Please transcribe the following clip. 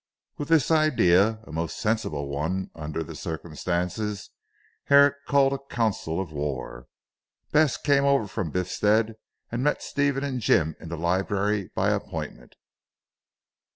With this idea, a most sensible one under the circumstances. Herrick called a council of war. Bess came over from Biffstead, and met Stephen and Jim in the library by appointment.